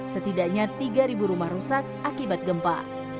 setidaknya tiga rumah rusak akibat gempa